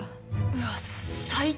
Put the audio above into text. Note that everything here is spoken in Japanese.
うわっ最低！